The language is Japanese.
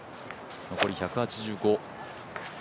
残り１８５。